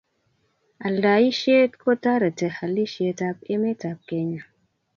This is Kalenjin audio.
aldaishet ko tareti halishet ab emet ab kenya